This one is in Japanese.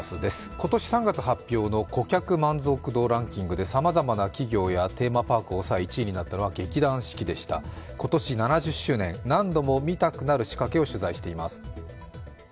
今年３月に発表の顧客満足度ランキングでさまざまな企業やテーマパークを抑え１位になったのは劇団四季でした、今年７０周年、何度もみたくなる仕掛けを取材しています。